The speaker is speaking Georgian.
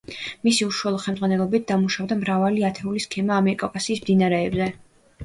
მისი უშუალო ხელმძღვანელობით დამუშავდა მრავალი ათეული სქემა ამიერკავკასიის მდინარეებზე.